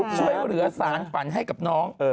ช่วยเหลือสารฝันให้กับน้อง